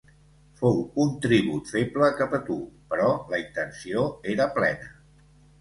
Fou un tribut feble cap a tu, però la intenció era plena.